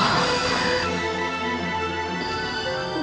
karena dia cuma yang peluang